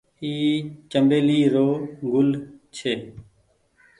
اي چمبيلي رو گل ڇي۔